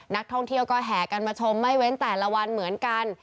นักท่องเที่ยวก็แห่กันมาชมไม่เว้นแต่ละวันเหมือนกัน